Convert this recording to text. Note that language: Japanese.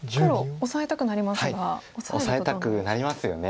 オサえたくなりますよね。